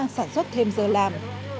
sản xuất thêm giờ làm